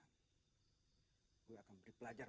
gue akan beri pelajar